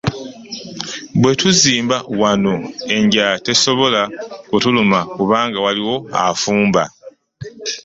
Bwe tuzimba wano enjala tesobola kutuluma kubanga waliwo afumba.